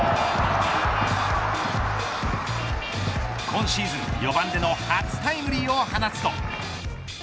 今シーズン４番での初タイムリーを放つと。